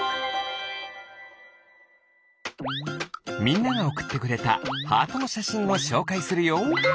みんながおくってくれたハートのしゃしんをしょうかいするよ。